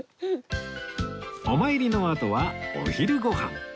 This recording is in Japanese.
お参りのあとはお昼ご飯